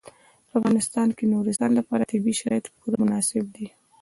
په افغانستان کې د نورستان لپاره طبیعي شرایط پوره مناسب دي.